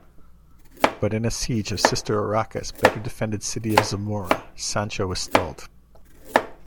But in a siege of sister Urraca's better-defended city of Zamora, Sancho was stalled.